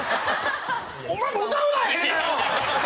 お前も歌うなや変なの！